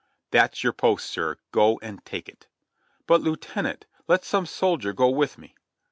"That's your post, sir; go and take it." "But, Lieutenant, let some soldier go with me."